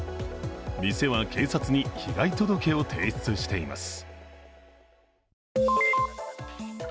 店は警察に被害届を提出しています。